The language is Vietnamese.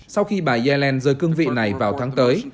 sau khi bà yellen rời cương vị này vào tháng tới